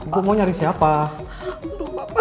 bu mau nyari siapa